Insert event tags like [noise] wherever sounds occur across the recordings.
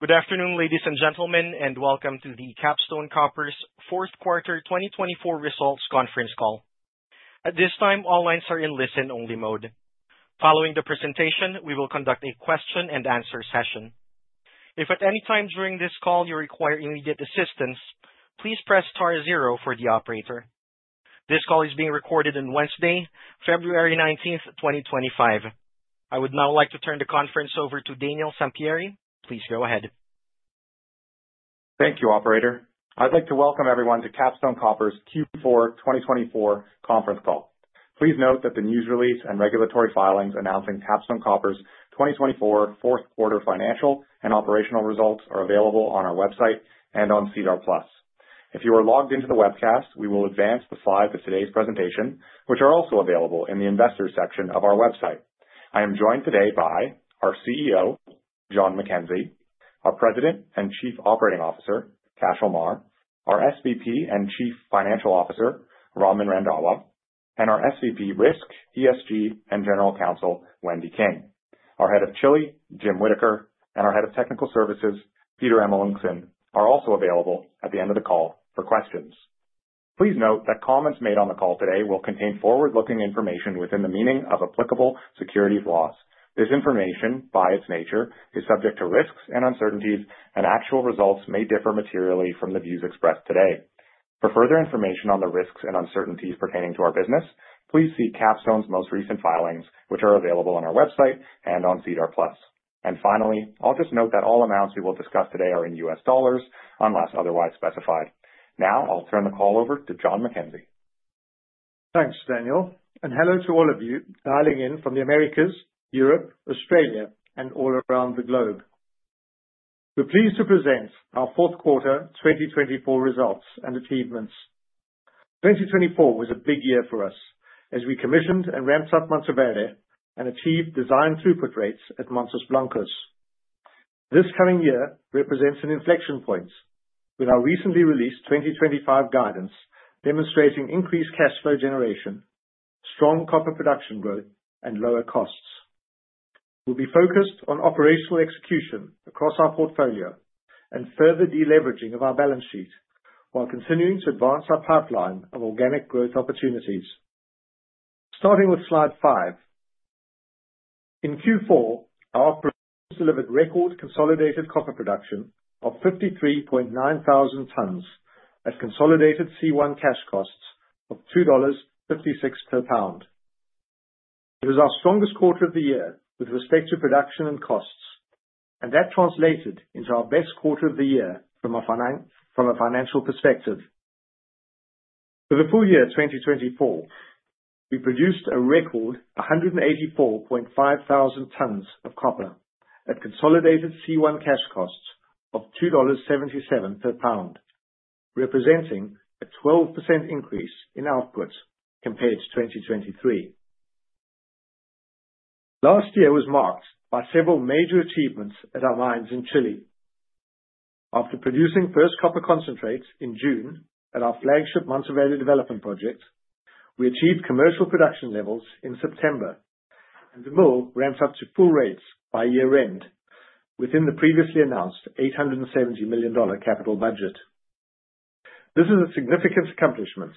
Good afternoon, ladies and gentlemen, and welcome to the Capstone Copper's Fourth Quarter 2024 Results Conference Call. At this time, all lines are in listen-only mode. Following the presentation, we will conduct a question-and-answer session. If at any time during this call you require immediate assistance, please press *0 for the operator. This call is being recorded on Wednesday, February 19, 2025. I would now like to turn the conference over to Daniel Sampieri. Please go ahead. Thank you, Operator. I'd like to welcome everyone to Capstone Copper's Q4 2024 Conference Call. Please note that the news release and regulatory filings announcing Capstone Copper's 2024 fourth quarter financial and operational results are available on our website and on SEDAR+. If you are logged into the webcast, we will advance the slides of today's presentation, which are also available in the Investors section of our website. I am joined today by our CEO, John MacKenzie, our President and Chief Operating Officer, Cashel Meagher, our SVP and Chief Financial Officer, Raman Randhawa, and our SVP Risk, ESG, and General Counsel, Wendy King. Our Head of Chile, Jim Whittaker, and our Head of Technical Services, Peter Amelunxen, are also available at the end of the call for questions. Please note that comments made on the call today will contain forward-looking information within the meaning of applicable securities laws. This information, by its nature, is subject to risks and uncertainties, and actual results may differ materially from the views expressed today. For further information on the risks and uncertainties pertaining to our business, please see Capstone's most recent filings, which are available on our website and on SEDAR+. And finally, I'll just note that all amounts we will discuss today are in U.S. dollars unless otherwise specified. Now, I'll turn the call over to John MacKenzie. Thanks, Daniel, and hello to all of you dialing in from the Americas, Europe, Australia, and all around the globe. We're pleased to present our fourth quarter 2024 results and achievements. 2024 was a big year for us as we commissioned and ramped up Mantoverde and achieved design throughput rates at Mantos Blancos. This coming year represents an inflection point with our recently released 2025 guidance demonstrating increased cash flow generation, strong copper production growth, and lower costs. We'll be focused on operational execution across our portfolio and further deleveraging of our balance sheet while continuing to advance our pipeline of organic growth opportunities. Starting with slide five, in Q4, our operations delivered record consolidated copper production of 53.9 thousand tons at consolidated C1 cash costs of $2.56 per pound. It was our strongest quarter of the year with respect to production and costs, and that translated into our best quarter of the year from a financial perspective. For the full year 2024, we produced a record 184.5 thousand tons of copper at consolidated C1 cash costs of $2.77 per pound, representing a 12% increase in output compared to 2023. Last year was marked by several major achievements at our mines in Chile. After producing first copper concentrates in June at our flagship Mantoverde Development Project, we achieved commercial production levels in September, and the mill ramped up to full rates by year-end within the previously announced $870 million capital budget. This is a significant accomplishment,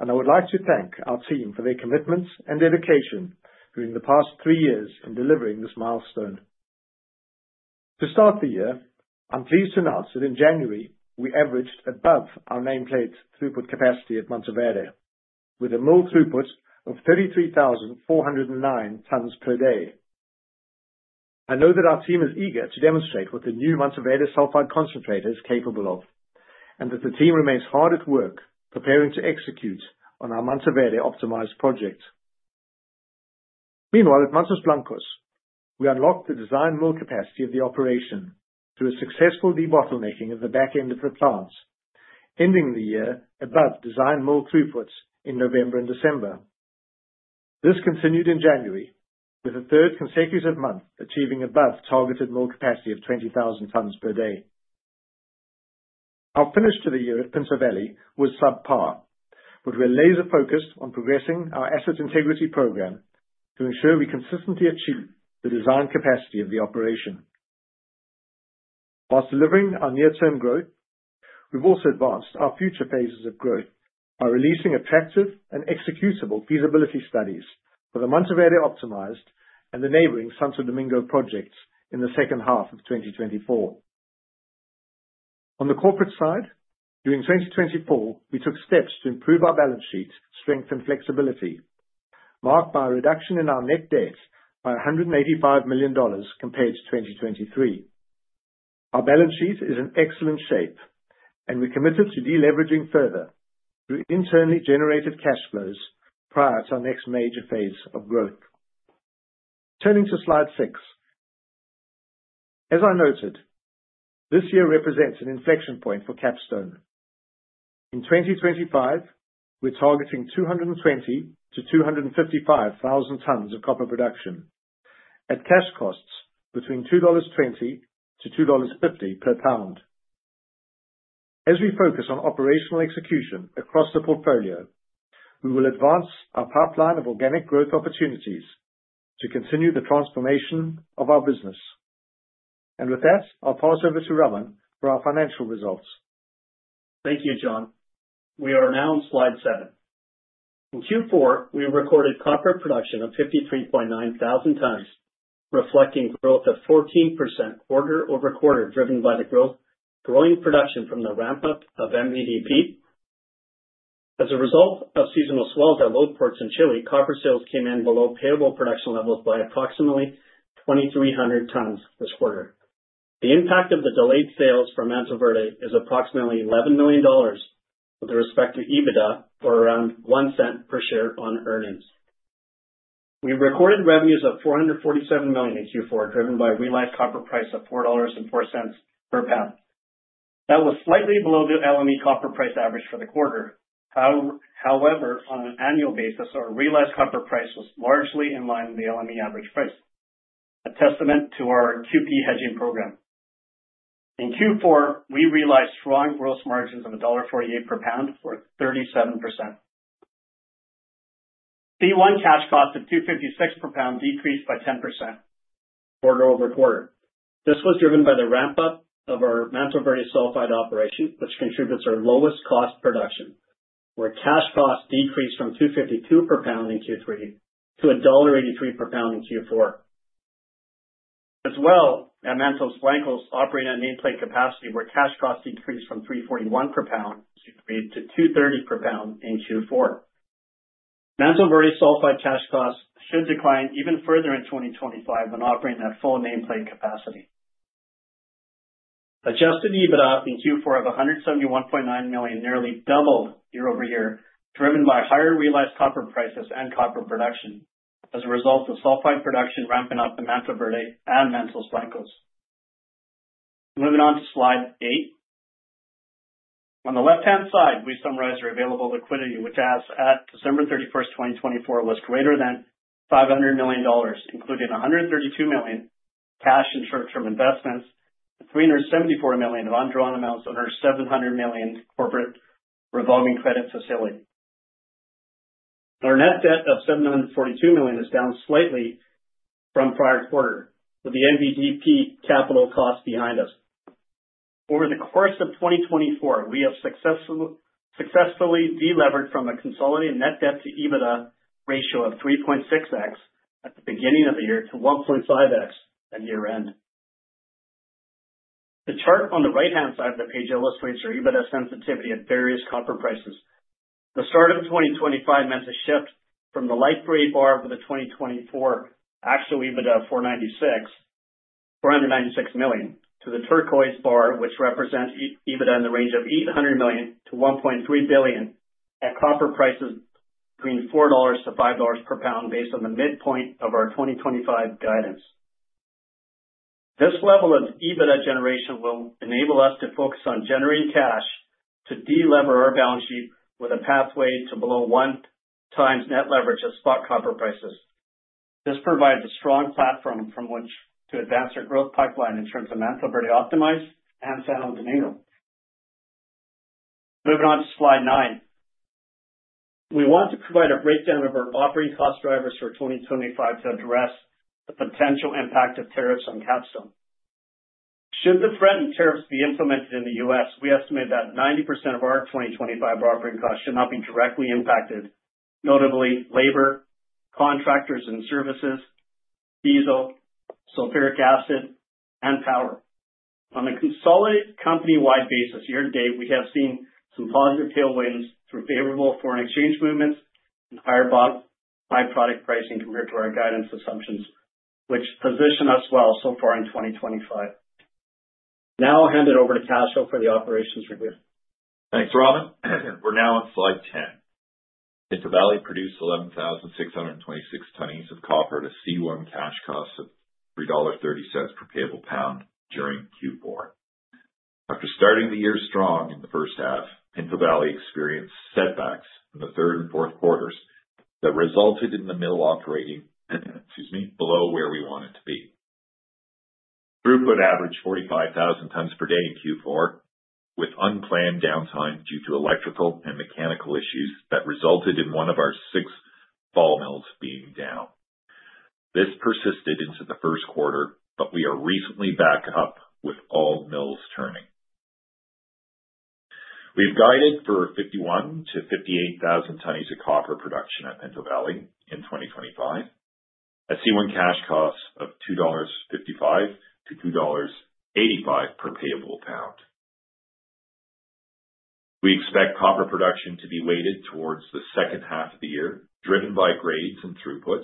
and I would like to thank our team for their commitment and dedication during the past three years in delivering this milestone. To start the year, I'm pleased to announce that in January we averaged above our nameplate throughput capacity at Mantoverde, with a mill throughput of 33,409 tons per day. I know that our team is eager to demonstrate what the new Mantoverde sulfide concentrate is capable of, and that the team remains hard at work preparing to execute on our Mantoverde Optimized project. Meanwhile, at Mantos Blancos, we unlocked the design mill capacity of the operation through a successful debottlenecking at the back end of the plants, ending the year above design mill throughputs in November and December. This continued in January, with a third consecutive month achieving above targeted mill capacity of 20,000 tons per day. Our finish to the year at Pinto Valley was subpar, but we're laser-focused on progressing our asset integrity program to ensure we consistently achieve the design capacity of the operation. While delivering our near-term growth, we've also advanced our future phases of growth by releasing attractive and executable feasibility studies for the Mantoverde Optimized and the neighboring Santo Domingo projects in the second half of 2024. On the corporate side, during 2024, we took steps to improve our balance sheet strength and flexibility, marked by a reduction in our net debt by $185 million compared to 2023. Our balance sheet is in excellent shape, and we're committed to deleveraging further through internally generated cash flows prior to our next major phase of growth. Turning to slide six, as I noted, this year represents an inflection point for Capstone. In 2025, we're targeting 220-255 thousand tons of copper production at cash costs between $2.20-$2.50 per pound. As we focus on operational execution across the portfolio, we will advance our pipeline of organic growth opportunities to continue the transformation of our business, and with that, I'll pass over to Raman for our financial results. Thank you, John. We are now on slide seven. In Q4, we recorded copper production of 53.9 thousand tons, reflecting growth of 14% quarter-over-quarter driven by the growing production from the ramp-up of MVDP. As a result of seasonal swells at load ports in Chile, copper sales came in below payable production levels by approximately 2,300 tons this quarter. The impact of the delayed sales from Mantoverde is approximately $11 million, with respect to EBITDA or around one cent per share on earnings. We recorded revenues of $447 million in Q4 driven by realized copper price of $4.04 per pound. That was slightly below the LME copper price average for the quarter. However, on an annual basis, our realized copper price was largely in line with the LME average price, a testament to our QP hedging program. In Q4, we realized strong gross margins of $1.48 per pound for 37%. C1 cash cost of $2.56 per pound decreased by 10% quarter-over-quarter. This was driven by the ramp-up of our Mantoverde sulfide operation, which contributes to our lowest cost production, where cash costs decreased from $2.52 per pound in Q3 to $1.83 per pound in Q4. As well, at Mantos Blancos, operating at nameplate capacity, where cash costs increased from $3.41 per pound in Q3 to $2.30 per pound in Q4. Mantoverde sulfide cash costs should decline even further in 2025 when operating at full nameplate capacity. Adjusted EBITDA in Q4 of $171.9 million nearly doubled year-over-year, driven by higher realized copper prices and copper production as a result of sulfide production ramping up in Mantoverde and Mantos Blancos. Moving on to slide eight. On the left-hand side, we summarize our available liquidity, which, as at December 31, 2024, was greater than $500 million, including $132 million cash and short-term investments, and $374 million of undrawn amounts under $700 million corporate revolving credit facility. Our net debt of $742 million is down slightly from prior quarter, with the MVDP capital cost behind us. Over the course of 2024, we have successfully deleveraged from a consolidated net debt to EBITDA ratio of 3.6x at the beginning of the year to 1.5x at year-end. The chart on the right-hand side of the page illustrates our EBITDA sensitivity at various copper prices. The start of 2025 meant a shift from the light gray bar for the 2024 actual EBITDA of $496 million to the turquoise bar, which represents EBITDA in the range of $800 million-$1.3 billion at copper prices between $4-$5 per pound, based on the midpoint of our 2025 guidance. This level of EBITDA generation will enable us to focus on generating cash to deleverage our balance sheet with a pathway to below one times net leverage of spot copper prices. This provides a strong platform from which to advance our growth pipeline in terms of Mantoverde Optimized and Santo Domingo. Moving on to slide nine, we want to provide a breakdown of our operating cost drivers for 2025 to address the potential impact of tariffs on Capstone. Should the threatened tariffs be implemented in the U.S., we estimate that 90% of our 2025 operating costs should not be directly impacted, notably labor, contractors and services, desal, sulfuric acid, and power. On a consolidated company-wide basis, year-to-date, we have seen some positive tailwinds through favorable foreign exchange movements and higher bond, by-product pricing compared to our guidance assumptions, which position us well so far in 2025. Now I'll hand it over to Cashel for the operations review. Thanks, Raman. We're now on slide 10. Pinto Valley produced 11,626 tons of copper at a C1 cash cost of $3.30 per payable pound during Q4. After starting the year strong in the first half, Pinto Valley experienced setbacks in the third and fourth quarters that resulted in the mill operating, excuse me, below where we want it to be. Throughput averaged 45,000 tons per day in Q4, with unplanned downtime due to electrical and mechanical issues that resulted in one of our six ball mills being down. This persisted into the first quarter, but we are recently back up with all mills turning. We've guided for 51-58 thousand tons of copper production at Pinto Valley in 2025, at C1 cash costs of $2.55-$2.85 per payable pound. We expect copper production to be weighted towards the second half of the year, driven by grades and throughput,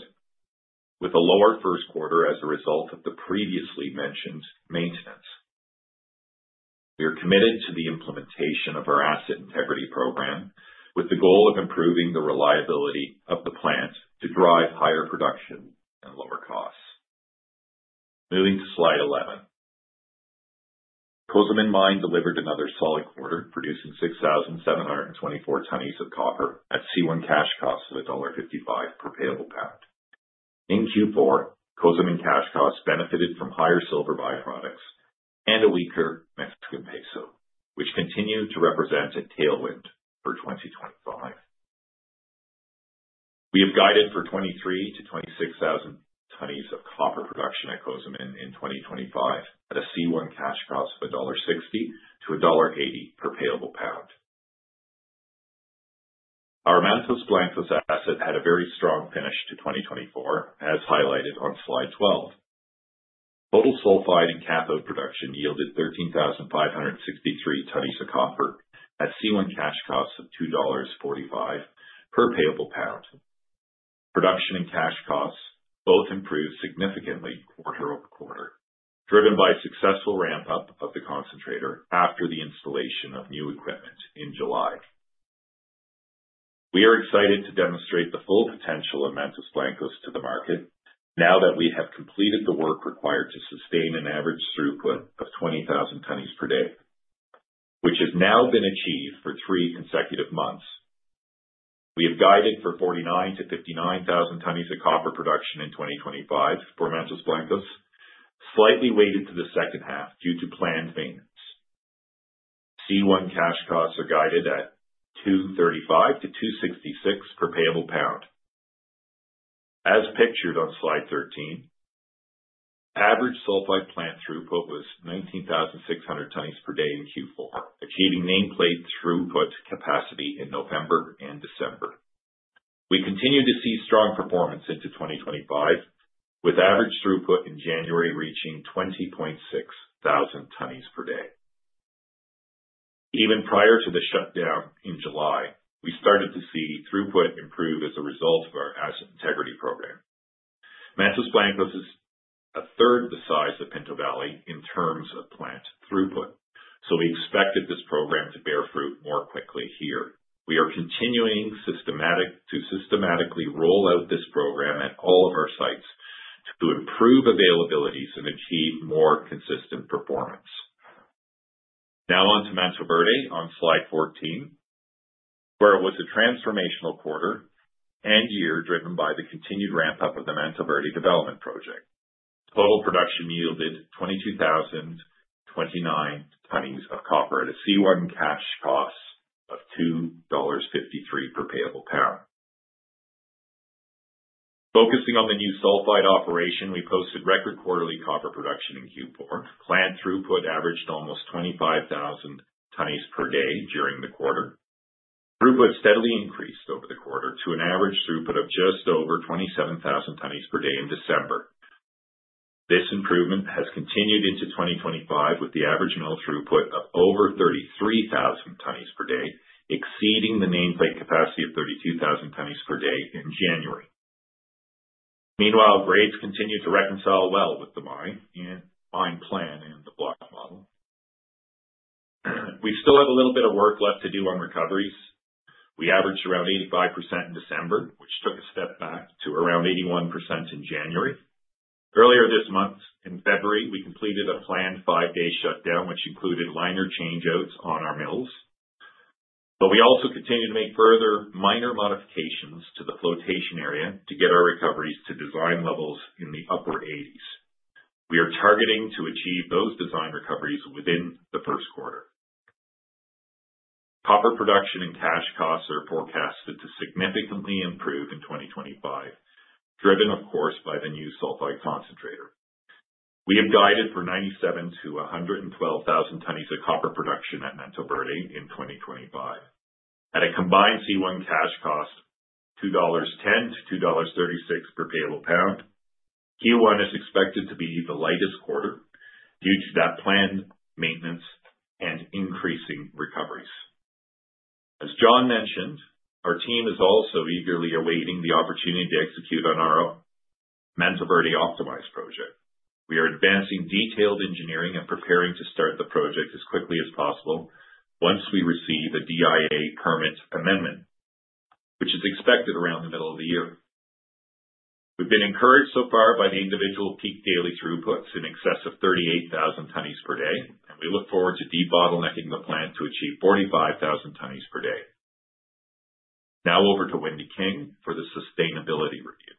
with a lower first quarter as a result of the previously mentioned maintenance. We are committed to the implementation of our asset integrity program with the goal of improving the reliability of the plant to drive higher production and lower costs. Moving to slide 11, Cozamin mine delivered another solid quarter, producing 6,724 tons of copper at C1 cash costs of $1.55 per payable pound. In Q4, Cozamin cash costs benefited from higher silver byproducts and a weaker Mexican peso, which continued to represent a tailwind for 2025. We have guided for 23-26 thousand tons of copper production at Cozamin in 2025 at a C1 cash cost of $1.60-$1.80 per payable pound. Our Mantos Blancos asset had a very strong finish to 2024, as highlighted on slide 12. Total sulfide and cathode production yielded 13,563 tons of copper at C1 cash costs of $2.45 per payable pound. Production and cash costs both improved significantly quarter-over-quarter, driven by successful ramp-up of the concentrator after the installation of new equipment in July. We are excited to demonstrate the full potential of Mantos Blancos to the market now that we have completed the work required to sustain an average throughput of 20,000 tons per day, which has now been achieved for three consecutive months. We have guided for 49-59 thousand tons of copper production in 2025 for Mantos Blancos, slightly weighted to the second half due to planned maintenance. C1 cash costs are guided at $2.35-$2.66 per payable pound, as pictured on slide 13. Average sulfide plant throughput was 19,600 tons per day in Q4, achieving nameplate throughput capacity in November and December. We continue to see strong performance into 2025, with average throughput in January reaching 20.6 thousand tons per day. Even prior to the shutdown in July, we started to see throughput improve as a result of our asset integrity program. Mantos Blancos is a third the size of Pinto Valley in terms of plant throughput, so we expected this program to bear fruit more quickly here. We are continuing to systematically roll out this program at all of our sites to improve availabilities and achieve more consistent performance. Now on to Mantoverde on slide 14, where it was a transformational quarter and year driven by the continued ramp-up of the Mantoverde development project. Total production yielded 22,029 tons of copper at a C1 cash cost of $2.53 per payable pound. Focusing on the new sulfide operation, we posted record quarterly copper production in Q4. Plant throughput averaged almost 25,000 tons per day during the quarter. Throughput steadily increased over the quarter to an average throughput of just over 27,000 tons per day in December. This improvement has continued into 2025, with the average mill throughput of over 33,000 tons per day, exceeding the nameplate capacity of 32,000 tons per day in January. Meanwhile, grades continue to reconcile well with the mine plan and the block model. We still have a little bit of work left to do on recoveries. We averaged around 85% in December, which took a step back to around 81% in January. Earlier this month, in February, we completed a planned five-day shutdown, which included liner changeouts on our mills. But we also continue to make further minor modifications to the flotation area to get our recoveries to design levels in the upper eighties. We are targeting to achieve those design recoveries within the first quarter. Copper production and cash costs are forecasted to significantly improve in 2025, driven, of course, by the new sulfide concentrator. We have guided for 97-112 thousand tons of copper production at Mantoverde in 2025. At a combined C1 cash cost of $2.10-$2.36 per payable pound, Q1 is expected to be the lightest quarter due to that planned maintenance and increasing recoveries. As John mentioned, our team is also eagerly awaiting the opportunity to execute on our Mantoverde Optimized project. We are advancing detailed engineering and preparing to start the project as quickly as possible once we receive a DIA permit amendment, which is expected around the middle of the year. We've been encouraged so far by the individual peak daily throughputs in excess of 38,000 tons per day, and we look forward to de-bottlenecking the plant to achieve 45,000 tons per day. Now over to Wendy King for the sustainability review.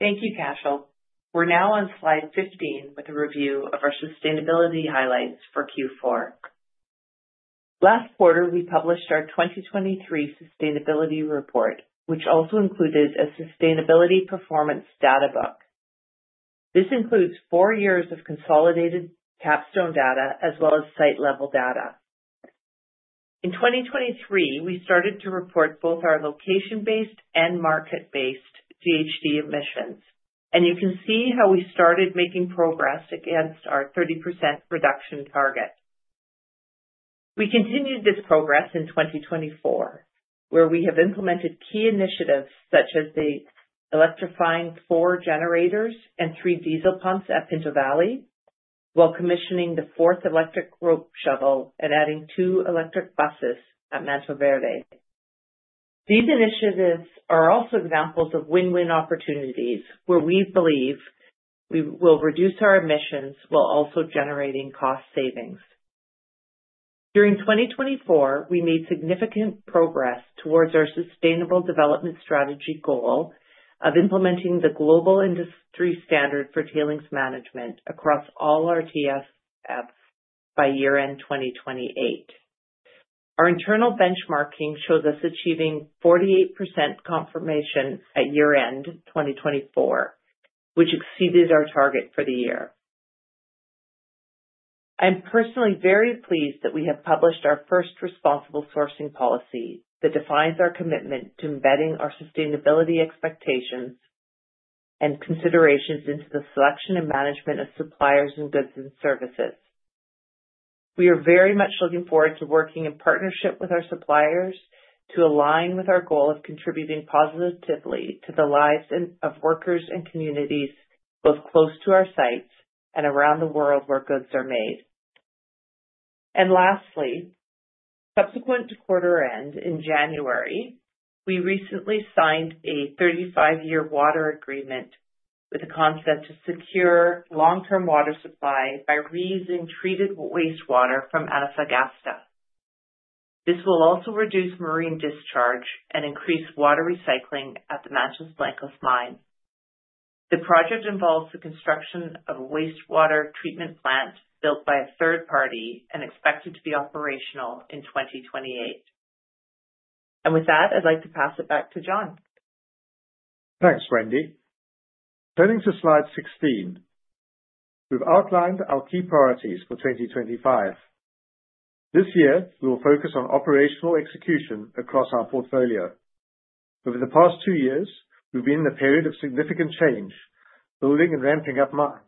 Thank you, Cashel. We're now on slide 15 with a review of our sustainability highlights for Q4. Last quarter, we published our 2023 sustainability report, which also included a sustainability performance data book. This includes four years of consolidated Capstone data as well as site-level data. In 2023, we started to report both our location-based and market-based GHG emissions, and you can see how we started making progress against our 30% reduction target. We continued this progress in 2024, where we have implemented key initiatives such as the electrifying four generators and three desal pumps at Pinto Valley, while commissioning the fourth electric rope shovel and adding two electric buses at Mantoverde. These initiatives are also examples of win-win opportunities, where we believe we will reduce our emissions while also generating cost savings. During 2024, we made significant progress towards our sustainable development strategy goal of implementing the Global Industry Standard for Tailings Management across all our TSFs by year-end 2028. Our internal benchmarking shows us achieving 48% confirmation at year-end 2024, which exceeded our target for the year. I'm personally very pleased that we have published our first Responsible Sourcing Policy that defines our commitment to embedding our sustainability expectations and considerations into the selection and management of suppliers and goods and services. We are very much looking forward to working in partnership with our suppliers to align with our goal of contributing positively to the lives of workers and communities both close to our sites and around the world where goods are made. Lastly, subsequent to quarter-end in January, we recently signed a 35-year water agreement with Econssa to secure long-term water supply by reusing treated wastewater from Antofagasta. This will also reduce marine discharge and increase water recycling at the Mantos Blancos mine. The project involves the construction of a wastewater treatment plant built by a third party and expected to be operational in 2028. And with that, I'd like to pass it back to John. Thanks, Wendy. Turning to slide 16, we've outlined our key priorities for 2025. This year, we will focus on operational execution across our portfolio. Over the past two years, we've been in a period of significant change, building and ramping up mines,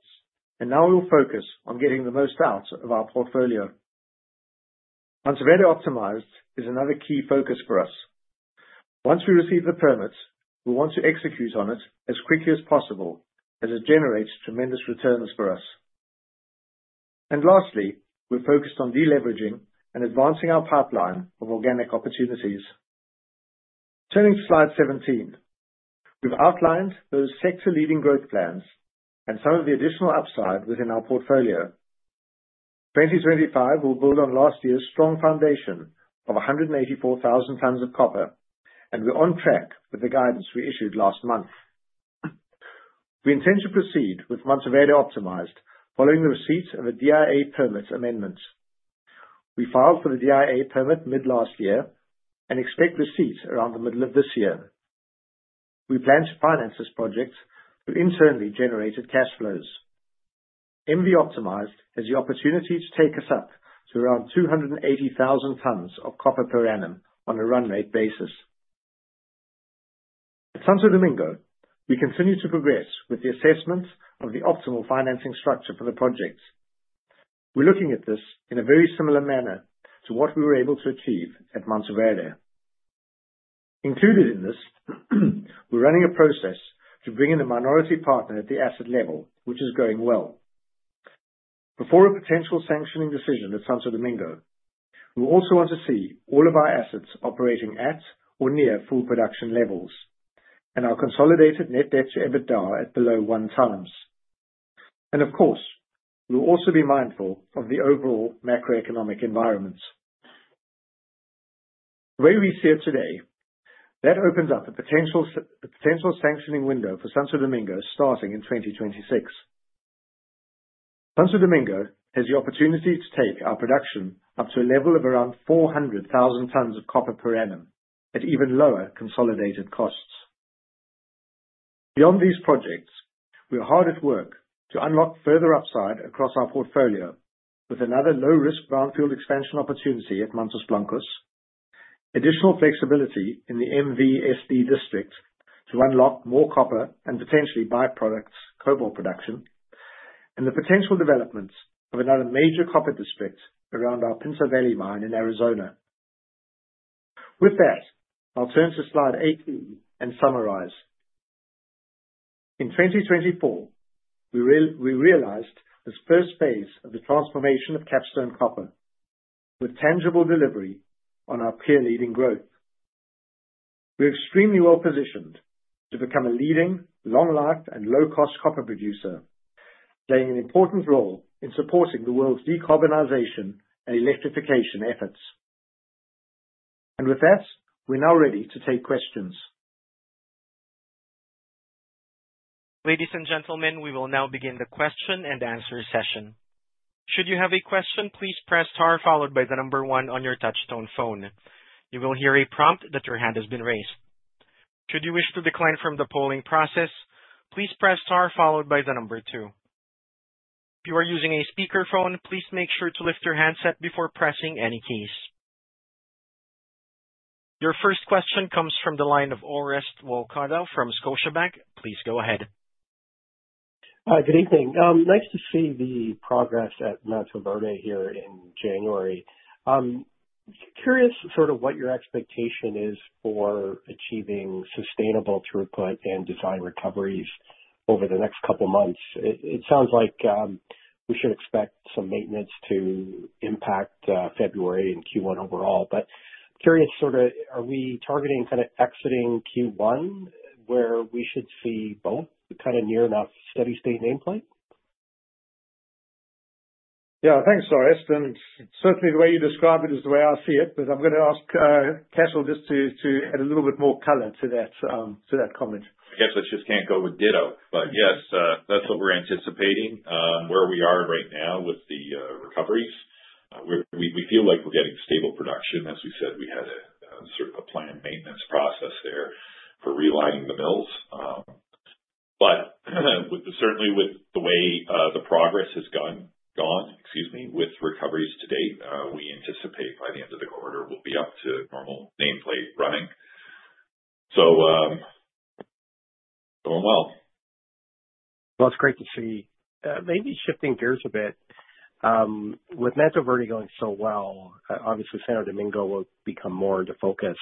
and now we'll focus on getting the most out of our portfolio. Mantoverde Optimized is another key focus for us. Once we receive the permit, we want to execute on it as quickly as possible as it generates tremendous returns for us, and lastly, we're focused on deleveraging and advancing our pipeline of organic opportunities. Turning to slide 17, we've outlined those sector-leading growth plans and some of the additional upside within our portfolio. 2025 will build on last year's strong foundation of 184,000 tons of copper, and we're on track with the guidance we issued last month. We intend to proceed with Mantoverde Optimized following the receipt of a DIA permit amendment. We filed for the DIA permit mid-last year and expect receipt around the middle of this year. We plan to finance this project through internally generated cash flows. MV Optimized has the opportunity to take us up to around 280,000 tons of copper per annum on a run-rate basis. At Santo Domingo, we continue to progress with the assessment of the optimal financing structure for the project. We're looking at this in a very similar manner to what we were able to achieve at Mantoverde. Included in this, we're running a process to bring in a minority partner at the asset level, which is going well. Before a potential sanctioning decision at Santo Domingo, we also want to see all of our assets operating at or near full production levels and our consolidated net debt to EBITDA at below 1 times. And of course, we'll also be mindful of the overall macroeconomic environment. The way we see it today, that opens up a potential sanctioning window for Santo Domingo starting in 2026. Santo Domingo has the opportunity to take our production up to a level of around 400,000 tons of copper per annum at even lower consolidated costs. Beyond these projects, we are hard at work to unlock further upside across our portfolio with another low-risk brownfield expansion opportunity at Mantos Blancos, additional flexibility in the MV-SD district to unlock more copper and potentially byproduct cobalt production, and the potential development of another major copper district around our Pinto Valley mine in Arizona. With that, I'll turn to slide 18 and summarize. In 2024, we realized this first phase of the transformation of Capstone Copper with tangible delivery on our peer-leading growth. We're extremely well positioned to become a leading, long-term, and low-cost copper producer, playing an important role in supporting the world's decarbonization and electrification efforts, and with that, we're now ready to take questions. Ladies and gentlemen, we will now begin the question and answer session. Should you have a question, please press star followed by the number one on your touch-tone phone. You will hear a prompt that your hand has been raised. Should you wish to decline from the polling process, please press star followed by the number two. If you are using a speakerphone, please make sure to lift your handset before pressing any keys. Your first question comes from the line of Orest Wowkodaw from Scotiabank. Please go ahead. Hi, good evening. Nice to see the progress at Mantoverde here in January. Curious sort of what your expectation is for achieving sustainable throughput and design recoveries over the next couple of months. It sounds like we should expect some maintenance to impact February and Q1 overall, but curious sort of are we targeting kind of exiting Q1 where we should see both kind of near enough steady-state nameplate? Yeah, thanks, Orest. And certainly the way you describe it is the way I see it, but I'm going to ask Cashel just to add a little bit more color to that comment. I guess I just can't go with ditto. But yes, that's what we're anticipating. Where we are right now with the recoveries, we feel like we're getting stable production. As we said, we had a planned maintenance process there for relining the mills. But certainly with the way the progress has gone, excuse me, with recoveries to date, we anticipate by the end of the quarter we'll be up to normal nameplate running. So going well. It's great to see. Maybe shifting gears a bit. With Mantoverde going so well, obviously Santo Domingo will become more into focus.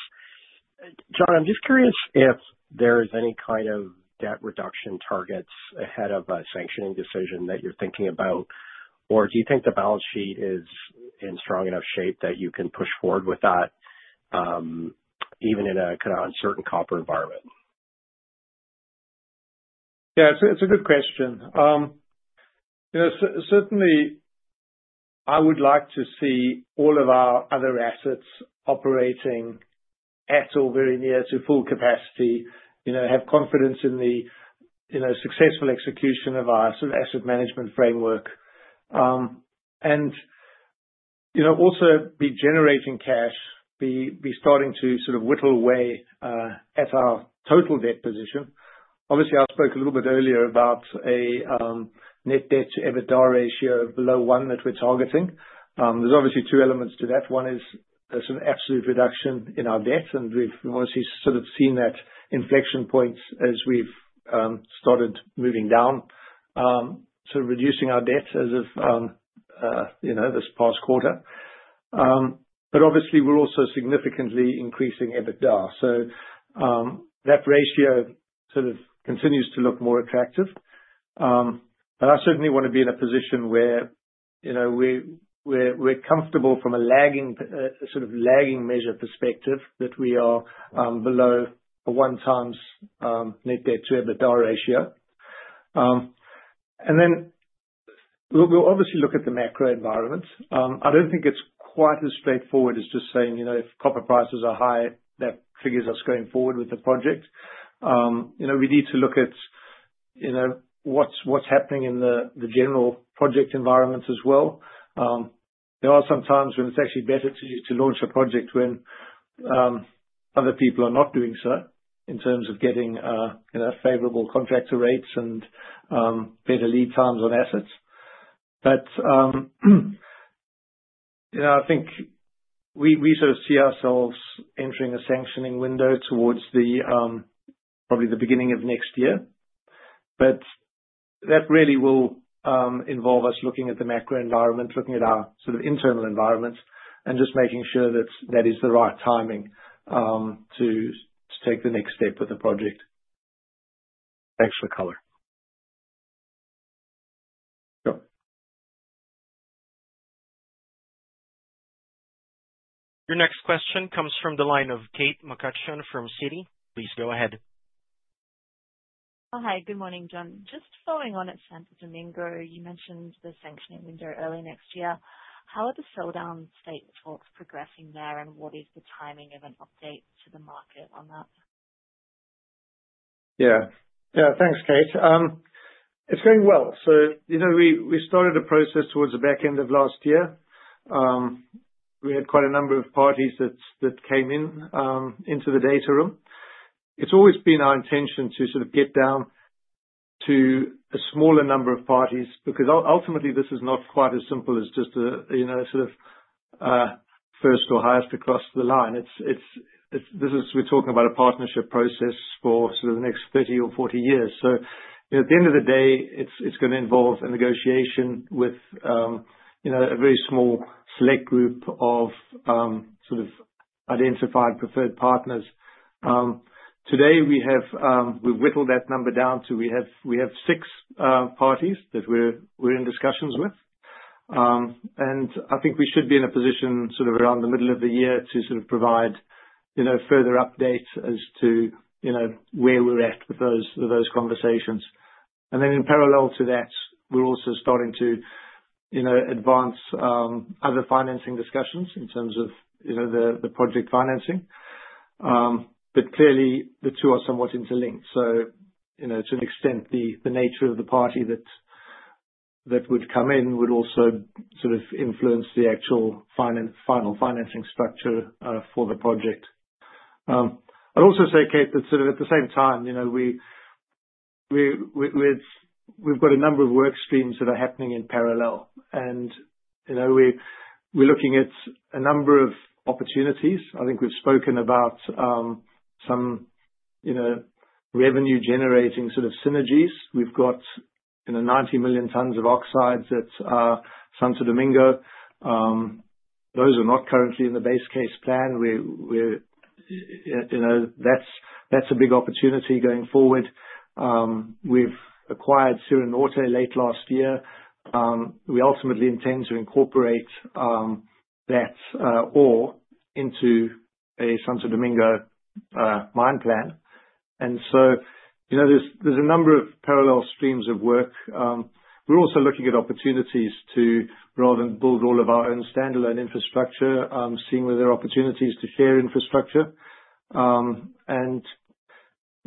John, I'm just curious if there is any kind of debt reduction targets ahead of a sanctioning decision that you're thinking about, or do you think the balance sheet is in strong enough shape that you can push forward with that even in a kind of uncertain copper environment? Yeah, it's a good question. Certainly, I would like to see all of our other assets operating at or very near to full capacity, have confidence in the successful execution of our Asset Management Framework, and also be generating cash, be starting to sort of whittle away at our total debt position. Obviously, I spoke a little bit earlier about a net debt to EBITDA ratio of below one that we're targeting. There's obviously two elements to that. One is there's an absolute reduction in our debt, and we've obviously sort of seen that inflection point as we've started moving down, sort of reducing our debt as of this past quarter. But obviously, we're also significantly increasing EBITDA. So that ratio sort of continues to look more attractive. But I certainly want to be in a position where we're comfortable from a sort of lagging measure perspective that we are below a one times net debt to EBITDA ratio. And then we'll obviously look at the macro environment. I don't think it's quite as straightforward as just saying if copper prices are high, that figures us going forward with the project. We need to look at what's happening in the general project environments as well. There are some times when it's actually better to launch a project when other people are not doing so in terms of getting favorable contractor rates and better lead times on assets. But I think we sort of see ourselves entering a sanctioning window towards probably the beginning of next year. But that really will involve us looking at the macro environment, looking at our sort of internal environments, and just making sure that that is the right timing to take the next step with the project. Thanks for the color. Sure. Your next question comes from the line of Kate McCutcheon from Citi. Please go ahead. Hi, good morning, John. Just following on at Santo Domingo, you mentioned the sanctioning window early next year. How are the sell-down stake talks progressing there, and what is the timing of an update to the market on that? Yeah. Yeah, thanks, Kate. It's going well. So we started a process towards the back end of last year. We had quite a number of parties that came into the data room. It's always been our intention to sort of get down to a smaller number of parties because ultimately this is not quite as simple as just a sort of first or highest across the line. This is, we're talking about a partnership process for sort of the next 30 or 40 years. So at the end of the day, it's going to involve a negotiation with a very small select group of sort of identified preferred partners. Today, we've whittled that number down to, we have six parties that we're in discussions with. I think we should be in a position sort of around the middle of the year to sort of provide further updates as to where we're at with those conversations. In parallel to that, we're also starting to advance other financing discussions in terms of the project financing. Clearly, the two are somewhat interlinked. To an extent, the nature of the party that would come in would also sort of influence the actual final financing structure for the project. I'd also say, Kate, that sort of at the same time, we've got a number of work streams that are happening in parallel. We're looking at a number of opportunities. I think we've spoken about some revenue-generating sort of synergies. We've got 90 million tons of oxides at Santo Domingo. Those are not currently in the base case plan. That's a big opportunity going forward. We've acquired Cerro Norte late last year. We ultimately intend to incorporate that ore into a Santo Domingo mine plan. And so there's a number of parallel streams of work. We're also looking at opportunities to, rather than build all of our own standalone infrastructure, seeing where there are opportunities to share infrastructure. And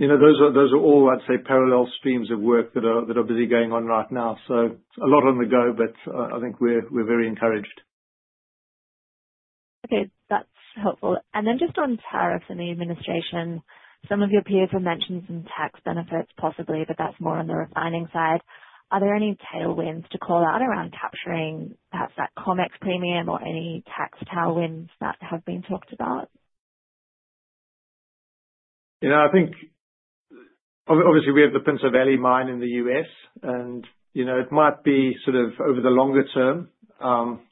those are all, I'd say, parallel streams of work that are busy going on right now. So a lot on the go, but I think we're very encouraged. Okay, that's helpful. And then just on tariffs and the administration, some of your peers have mentioned some tax benefits possibly, but that's more on the refining side. Are there any tailwinds to call out around capturing perhaps that COMEX premium or any tax tailwinds that have been talked about? Yeah, I think obviously we have the Pinto Valley mine in the U.S., and it might be sort of over the longer term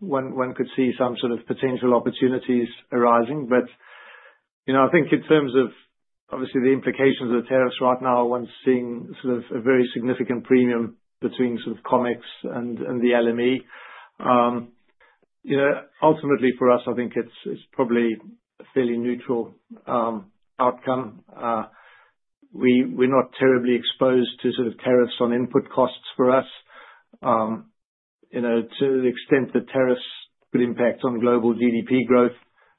one could see some sort of potential opportunities arising. But I think in terms of obviously the implications of the tariffs right now, one's seeing sort of a very significant premium between sort of COMEX and the LME. Ultimately, for us, I think it's probably a fairly neutral outcome. We're not terribly exposed to sort of tariffs on input costs for us. To the extent that tariffs could impact on global GDP growth,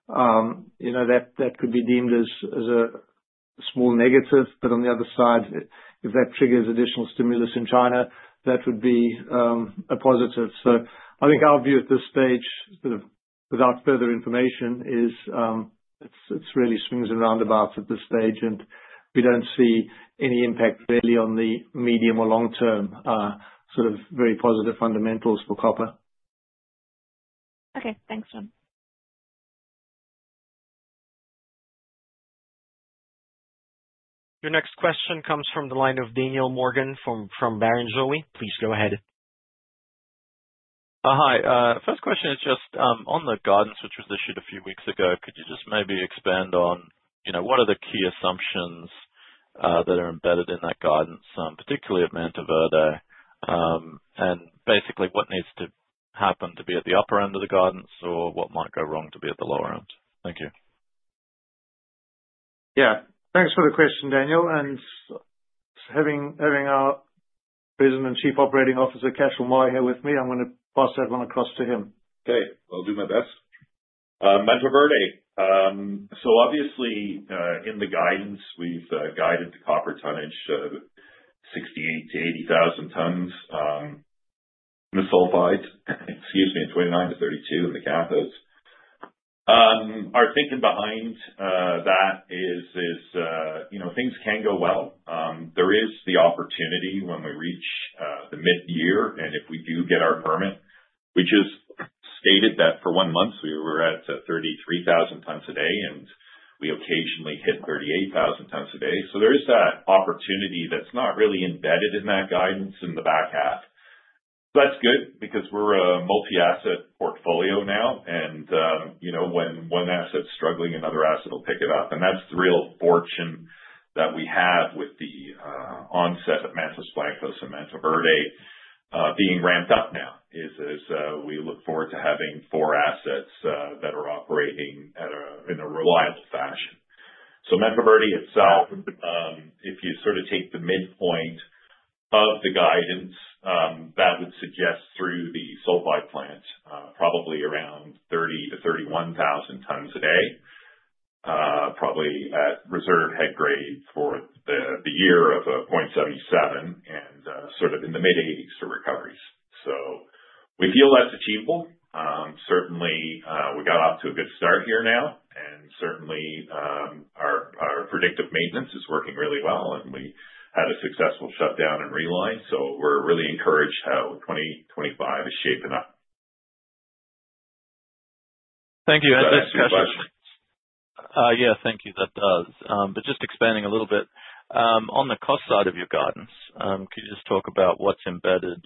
that could be deemed as a small negative. But on the other side, if that triggers additional stimulus in China, that would be a positive. So I think our view at this stage, sort of without further information, is it really swings and roundabouts at this stage, and we don't see any impact really on the medium or long-term sort of very positive fundamentals for copper. Okay, thanks, John. Your next question comes from the line of Daniel Morgan from Barrenjoey. Please go ahead. Hi. First question is just on the guidance which was issued a few weeks ago, could you just maybe expand on what are the key assumptions that are embedded in that guidance, particularly at Mantoverde, and basically what needs to happen to be at the upper end of the guidance or what might go wrong to be at the lower end? Thank you. Yeah, thanks for the question, Daniel. Having our President and Chief Operating Officer, Cashel Meagher, here with me, I'm going to pass that one across to him. Okay, I'll do my best. Mantoverde, so obviously in the guidance, we've guided the copper tonnage to 68,000-80,000 tons in the sulfides, excuse me, 29,000-32,000 in the cathodes. Our thinking behind that is things can go well. There is the opportunity when we reach the mid-year and if we do get our permit, which is stated that for one month we were at 33,000 tons a day and we occasionally hit 38,000 tons a day. So there is that opportunity that's not really embedded in that guidance in the back half. That's good because we're a multi-asset portfolio now, and when one asset's struggling, another asset will pick it up. And that's the real fortune that we have with the onset of Mantos Blancos and Mantoverde being ramped up now is we look forward to having four assets that are operating in a reliable fashion. Mantoverde itself, if you sort of take the midpoint of the guidance, that would suggest through the sulfide plant probably around 30,000-31,000 tons a day, probably at reserve head grade for the year of a 0.77 and sort of in the mid-80s% for recoveries. We feel that's achievable. Certainly, we got off to a good start here now, and certainly our predictive maintenance is working really well, and we had a successful shutdown and reline. We're really encouraged how 2025 is shaping up. Thank you. [crosstalk] Yeah, thank you. That does. But just expanding a little bit, on the cost side of your guidance, could you just talk about what's embedded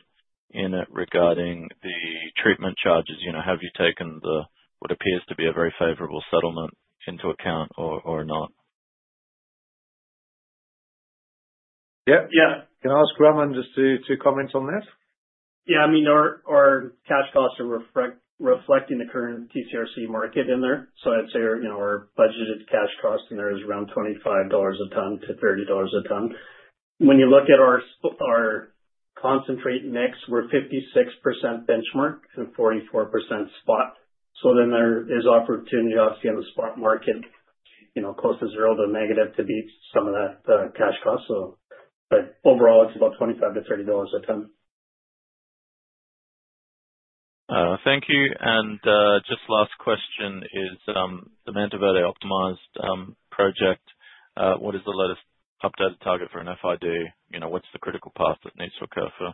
in it regarding the treatment charges? Have you taken what appears to be a very favorable settlement into account or not? Yeah, yeah. Can I ask Raman just to comment on that? Yeah, I mean, our cash costs are reflecting the current TCRC market in there. So I'd say our budgeted cash cost in there is around $25-$30 a tonne. When you look at our concentrate mix, we're 56% benchmark and 44% spot. So then there is opportunity obviously in the spot market close to zero to negative to beat some of that cash cost. But overall, it's about $25-$30 a tonne. Thank you. And just last question is the Mantoverde Optimized project, what is the latest updated target for an FID? What's the critical path that needs to occur for,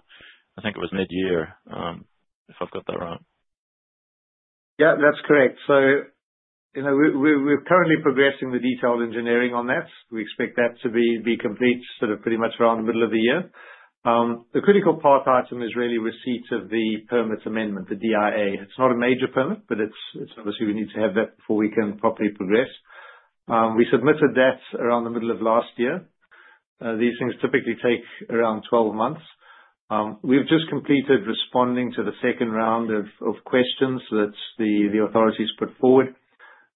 I think it was mid-year, if I've got that right? Yeah, that's correct. So we're currently progressing the detailed engineering on that. We expect that to be complete sort of pretty much around the middle of the year. The critical path item is really receipt of the permit amendment, the DIA. It's not a major permit, but obviously we need to have that before we can properly progress. We submitted that around the middle of last year. These things typically take around 12 months. We've just completed responding to the second round of questions that the authorities put forward.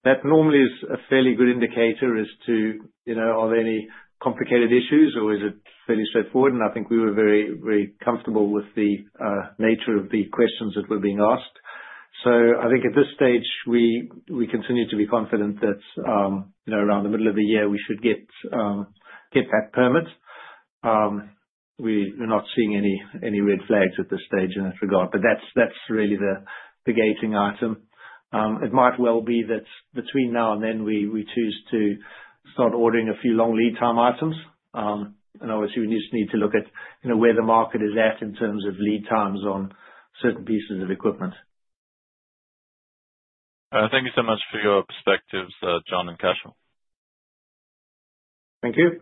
That normally is a fairly good indicator as to are there any complicated issues or is it fairly straightforward, and I think we were very, very comfortable with the nature of the questions that were being asked, so I think at this stage, we continue to be confident that around the middle of the year we should get that permit. We're not seeing any red flags at this stage in that regard. But that's really the gating item. It might well be that between now and then we choose to start ordering a few long lead time items. And obviously, we just need to look at where the market is at in terms of lead times on certain pieces of equipment. Thank you so much for your perspectives, John and Cashel. Thank you.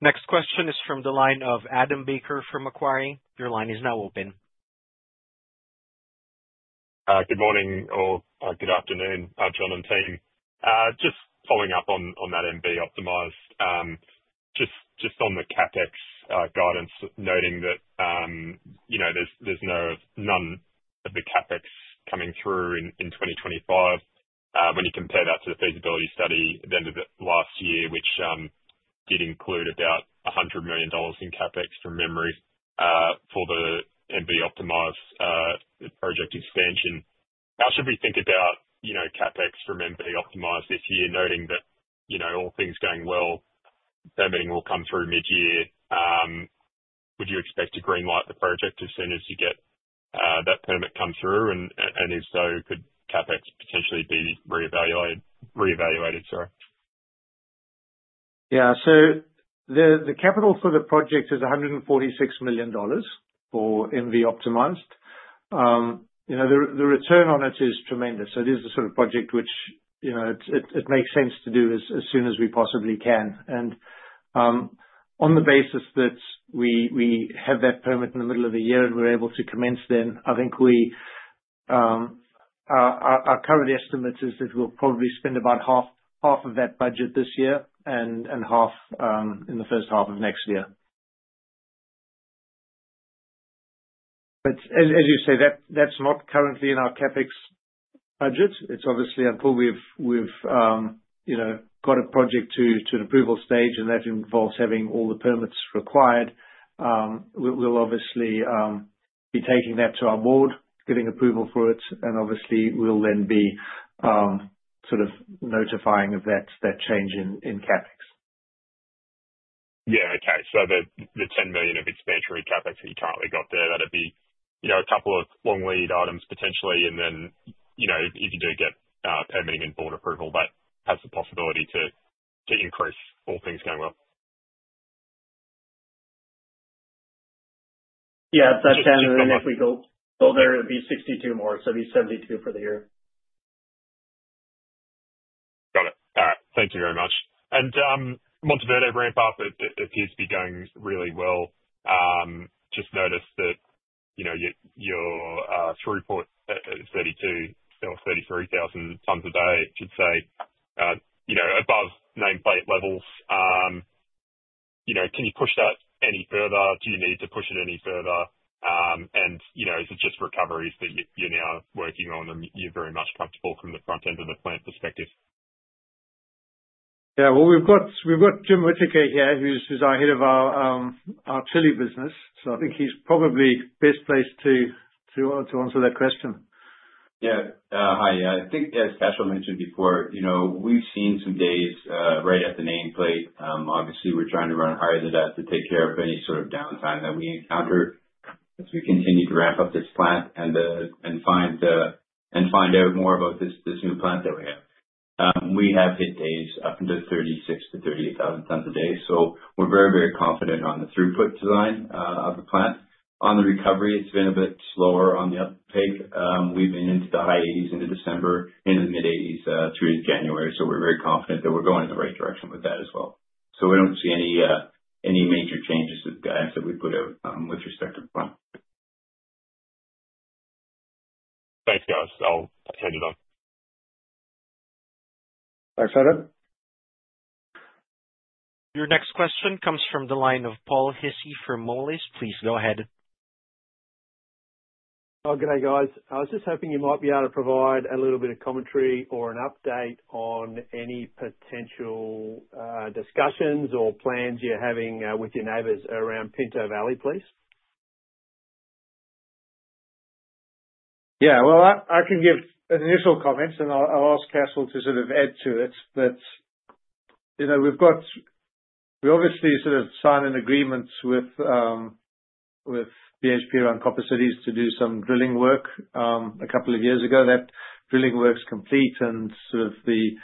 Next question is from the line of Adam Baker from Macquarie. Your line is now open. Good morning or good afternoon, John and team. Just following up on that MV Optimized, just on the CapEx guidance, noting that there's none of the CapEx coming through in 2025. When you compare that to the feasibility study at the end of last year, which did include about $100 million in CapEx from memory for the MV Optimized project expansion, how should we think about CapEx from MV Optimized this year, noting that all things going well, permitting will come through mid-year? Would you expect to greenlight the project as soon as you get that permit come through? And if so, could CapEx potentially be re-evaluated? Sorry. Yeah, so the capital for the project is $146 million for MV Optimized. The return on it is tremendous. So this is the sort of project which it makes sense to do as soon as we possibly can. And on the basis that we have that permit in the middle of the year and we're able to commence then, I think our current estimate is that we'll probably spend about $73 million of that budget this year and $73 million in the first half of next year. But as you say, that's not currently in our CapEx budget. It's obviously until we've got a project to an approval stage, and that involves having all the permits required, we'll obviously be taking that to our board, getting approval for it, and obviously we'll then be sort of notifying of that change in CapEx. Yeah, okay. So the $10 million of expansionary CapEx that you currently got there, that'd be a couple of long lead items potentially. And then if you do get permitting and board approval, that has the possibility to increase all things going well. Yeah, that's 10 million. If we go there, it'd be 62 more. So it'd be 72 for the year. Got it. All right. Thank you very much. And Mantoverde ramp-up appears to be going really well. Just noticed that your throughput at 32 or 33,000 tons a day, should say, above nameplate levels. Can you push that any further? Do you need to push it any further? And is it just recoveries that you're now working on, and you're very much comfortable from the front end of the plant perspective? Yeah, well, we've got Jim Whittaker here, who's our head of our Chile business. So I think he's probably the best place to answer that question. Yeah. Hi. I think, as Cashel mentioned before, we've seen some days right at the nameplate. Obviously, we're trying to run higher than that to take care of any sort of downtime that we encounter as we continue to ramp up this plant and find out more about this new plant that we have. We have hit days up into 36,000-38,000 tons a day. So we're very, very confident on the throughput design of the plant. On the recovery, it's been a bit slower on the uptake. We've been into the high 80s into December, into the mid-80s through January. So we're very confident that we're going in the right direction with that as well. So we don't see any major changes that we put out with respect to the plant. Thanks, guys. I'll hand it off. Thanks, Adam. Your next question comes from the line of Paul Hissey for Moelis. Please go ahead. Oh, good day, guys. I was just hoping you might be able to provide a little bit of commentary or an update on any potential discussions or plans you're having with your neighbors around Pinto Valley, please. Yeah, well, I can give initial comments, and I'll ask Cashel to sort of add to it. We've obviously sort of signed an agreement with BHP around Copper Cities to do some drilling work a couple of years ago. That drilling work's complete, and sort of the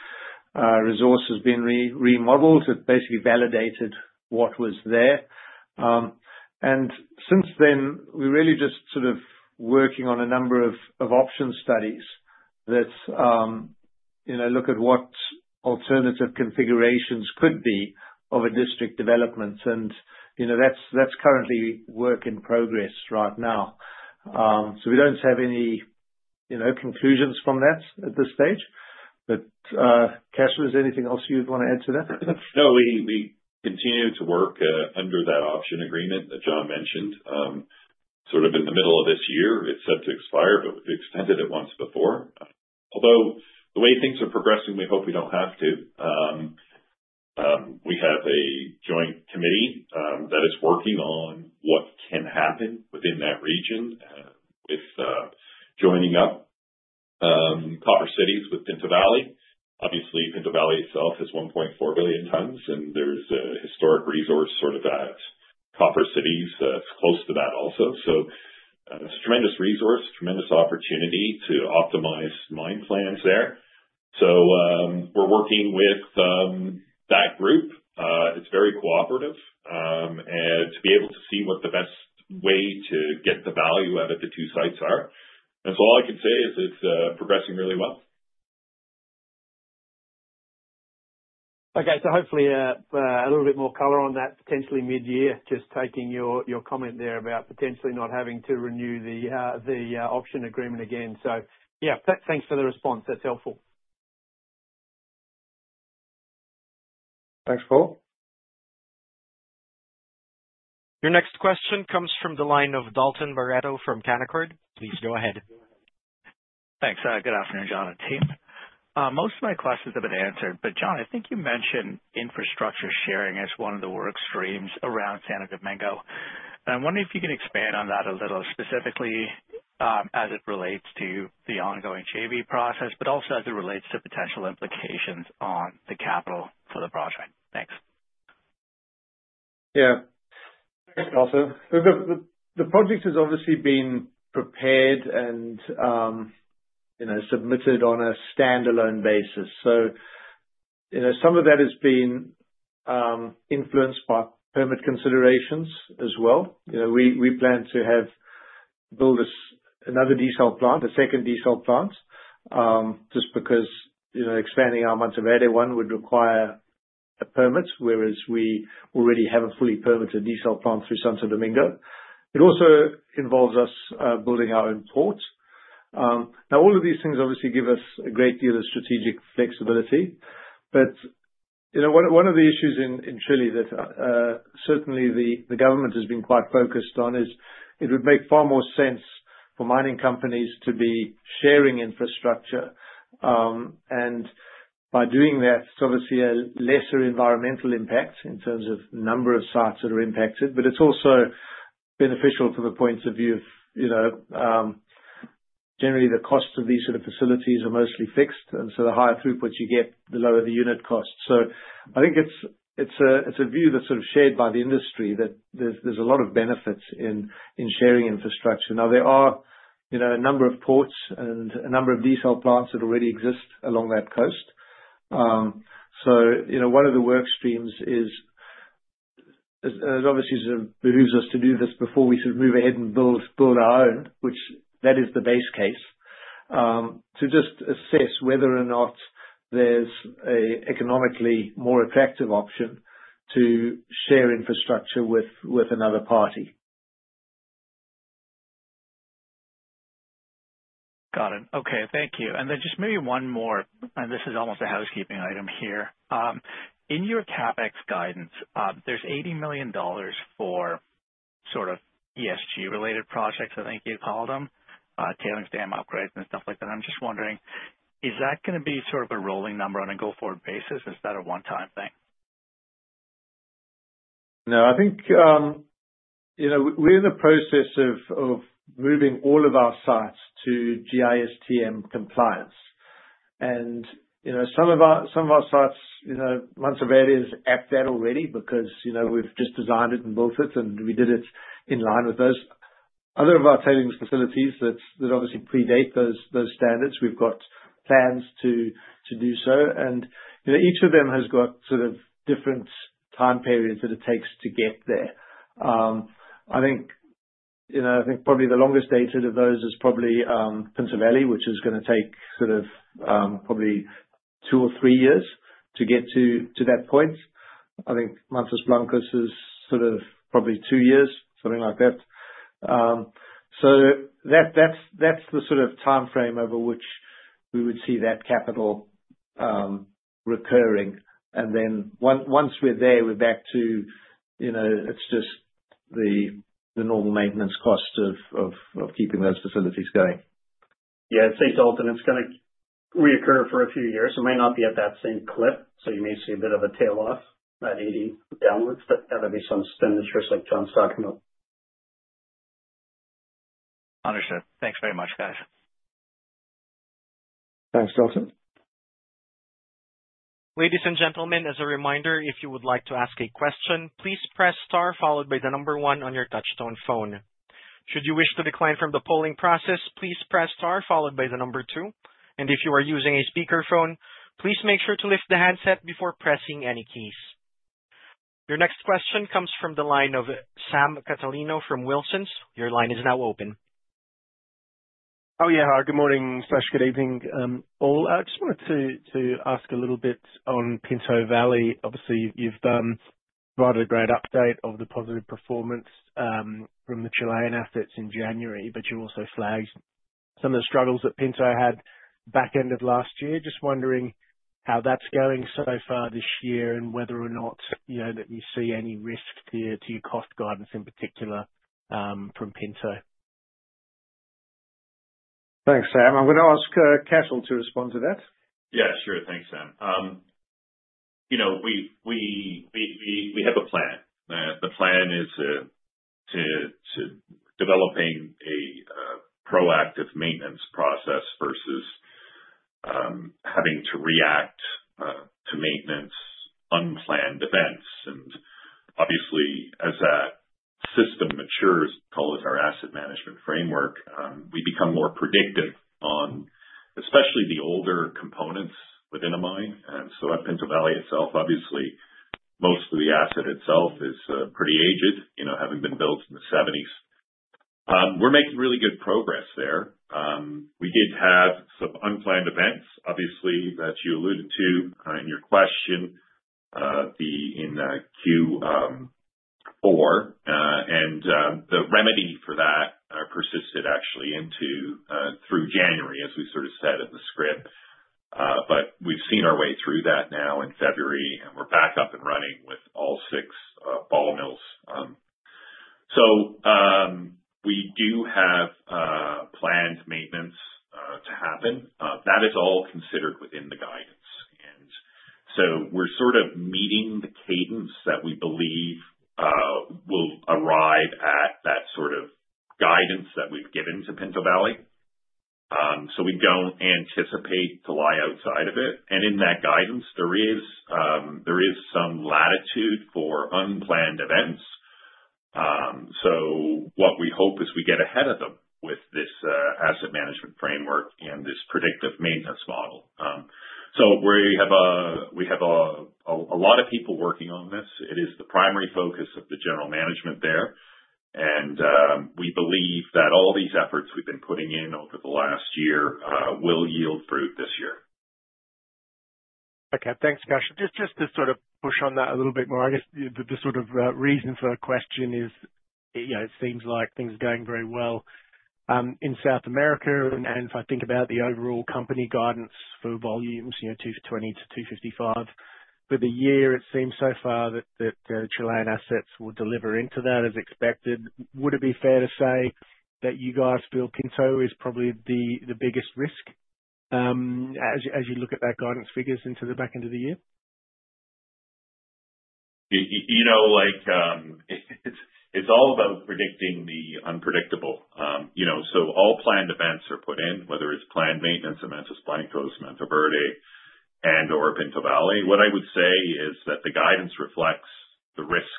resource has been remodeled. It basically validated what was there. And since then, we're really just sort of working on a number of option studies that look at what alternative configurations could be of a district development. And that's currently work in progress right now. So we don't have any conclusions from that at this stage. But Cashel, is there anything else you'd want to add to that? No, we continue to work under that option agreement that John mentioned. Sort of in the middle of this year, it's set to expire, but we've extended it once before. Although the way things are progressing, we hope we don't have to. We have a joint committee that is working on what can happen within that region with joining up Copper Cities with Pinto Valley. Obviously, Pinto Valley itself has 1.4 billion tons, and there's a historic resource sort of at Copper Cities that's close to that also. So it's a tremendous resource, tremendous opportunity to optimize mine plans there. So we're working with that group. It's very cooperative, and to be able to see what the best way to get the value out of the two sites are. That's all I can say is it's progressing really well. Okay, so hopefully a little bit more color on that potentially mid-year, just taking your comment there about potentially not having to renew the option agreement again. So yeah, thanks for the response. That's helpful. Thanks, Paul. Your next question comes from the line of Dalton Baretto from Canaccord. Please go ahead. Thanks. Good afternoon, John and team. Most of my questions have been answered, but John, I think you mentioned infrastructure sharing as one of the work streams around Santo Domingo, and I'm wondering if you can expand on that a little, specifically as it relates to the ongoing JV process, but also as it relates to potential implications on the capital for the project. Thanks. Yeah. Also, the project has obviously been prepared and submitted on a standalone basis. So some of that has been influenced by permit considerations as well. We plan to build another desal plant, a second desal plant, just because expanding our Mantoverde one would require a permit, whereas we already have a fully permitted desal plant through Santo Domingo. It also involves us building our own port. Now, all of these things obviously give us a great deal of strategic flexibility. But one of the issues in Chile that certainly the government has been quite focused on is it would make far more sense for mining companies to be sharing infrastructure. By doing that, it's obviously a lesser environmental impact in terms of number of sites that are impacted, but it's also beneficial from the points of view of generally the cost of these sort of facilities are mostly fixed. And so the higher throughputs you get, the lower the unit costs. So I think it's a view that's sort of shared by the industry that there's a lot of benefits in sharing infrastructure. Now, there are a number of ports and a number of desal plants that already exist along that coast. So one of the work streams is, obviously, sort of behooves us to do this before we sort of move ahead and build our own, which that is the base case, to just assess whether or not there's an economically more attractive option to share infrastructure with another party. Got it. Okay, thank you. And then just maybe one more, and this is almost a housekeeping item here. In your CapEx guidance, there's $80 million for sort of ESG-related projects, I think you'd call them, tailings, dam upgrades, and stuff like that. I'm just wondering, is that going to be sort of a rolling number on a go-forward basis? Is that a one-time thing? No, I think we're in the process of moving all of our sites to GISTM compliance. And some of our sites, Mantoverde has achieved that already because we've just designed it and built it, and we did it in line with those. Other of our tailings facilities that obviously predate those standards, we've got plans to do so. And each of them has got sort of different time periods that it takes to get there. I think probably the longest dated of those is probably Pinto Valley, which is going to take sort of probably two or three years to get to that point. I think Mantos Blancos is sort of probably two years, something like that. So that's the sort of time frame over which we would see that capital recurring. Then once we're there, we're back to it's just the normal maintenance cost of keeping those facilities going. Yeah, I'd say, Dalton, is going to reoccur for a few years. It may not be at that same clip, so you may see a bit of a tail off at 80 downwards, but there'll be some sustained interest like John's talking about. Understood. Thanks very much, guys. Thanks, Dalton. Ladies and gentlemen, as a reminder, if you would like to ask a question, please press star followed by the number one on your touch-tone phone. Should you wish to decline from the polling process, please press star followed by the number two. And if you are using a speakerphone, please make sure to lift the handset before pressing any keys. Your next question comes from the line of Sam Catalano from Wilsons. Your line is now open. Oh, yeah. Hi, good morning. Slash, good evening, all. I just wanted to ask a little bit on Pinto Valley. Obviously, you've provided a great update of the positive performance from the Chilean assets in January, but you also flagged some of the struggles that Pinto had back end of last year. Just wondering how that's going so far this year and whether or not you see any risk to your cost guidance in particular from Pinto. Thanks, Sam. I'm going to ask Cashel to respond to that. Yeah, sure. Thanks, Sam. We have a plan. The plan is to develop a proactive maintenance process versus having to react to maintenance unplanned events. And obviously, as that system matures, called our asset management framework, we become more predictive on especially the older components within a mine. And so at Pinto Valley itself, obviously, most of the asset itself is pretty aged, having been built in the 1970s. We're making really good progress there. We did have some unplanned events, obviously, that you alluded to in your question in Q4. And the remedy for that persisted actually through January, as we sort of said in the script. But we've seen our way through that now in February, and we're back up and running with all six ball mills. So we do have planned maintenance to happen. That is all considered within the guidance. And so we're sort of meeting the cadence that we believe will arrive at that sort of guidance that we've given to Pinto Valley. So we don't anticipate to lie outside of it. And in that guidance, there is some latitude for unplanned events. So what we hope is we get ahead of them with this asset management framework and this predictive maintenance model. So we have a lot of people working on this. It is the primary focus of the general management there. And we believe that all these efforts we've been putting in over the last year will yield fruit this year. Okay, thanks, Cashel. Just to sort of push on that a little bit more, I guess the sort of reason for the question is it seems like things are going very well in South America. And if I think about the overall company guidance for volumes, 20 to 255 for the year, it seems so far that the Chilean assets will deliver into that as expected. Would it be fair to say that you guys feel Pinto is probably the biggest risk as you look at that guidance figures into the back end of the year? You know, it's all about predicting the unpredictable. So all planned events are put in, whether it's planned maintenance, Mantoverde, and/or Pinto Valley. What I would say is that the guidance reflects the risk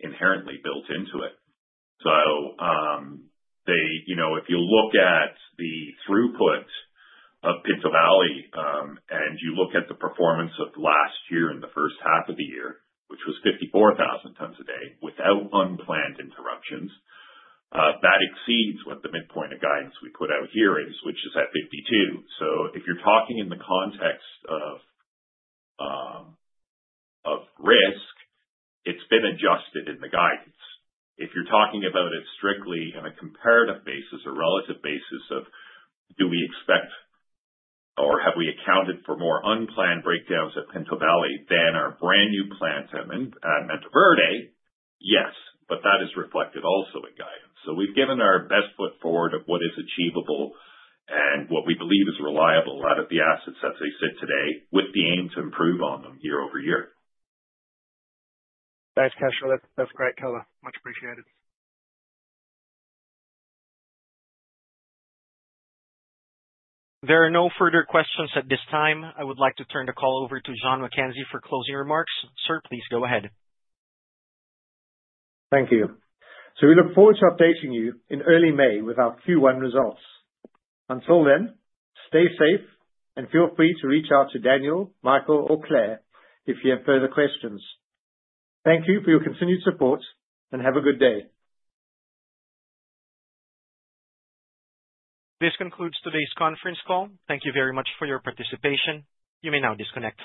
inherently built into it. So if you look at the throughput of Pinto Valley and you look at the performance of last year in the first half of the year, which was 54,000 tons a day without unplanned interruptions, that exceeds what the midpoint of guidance we put out here is, which is at 52. So if you're talking in the context of risk, it's been adjusted in the guidance. If you're talking about it strictly on a comparative basis or relative basis of do we expect or have we accounted for more unplanned breakdowns at Pinto Valley than our brand new plant at Mantoverde, yes, but that is reflected also in guidance. We've given our best foot forward of what is achievable and what we believe is reliable out of the assets as they sit today with the aim to improve on them year-over-year. Thanks, Cashel. That's great color. Much appreciated. There are no further questions at this time. I would like to turn the call over to John MacKenzie for closing remarks. Sir, please go ahead. Thank you. So we look forward to updating you in early May with our Q1 results. Until then, stay safe and feel free to reach out to Daniel, Michael, or Claire if you have further questions. Thank you for your continued support and have a good day. This concludes today's conference call. Thank you very much for your participation. You may now disconnect.